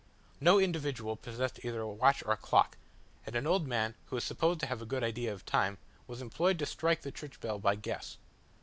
No individual possessed either a watch or a clock; and an old man, who was supposed to have a good idea of time, was employed to strike the church bell by guess.